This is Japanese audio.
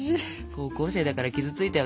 高校生だから傷ついたよ。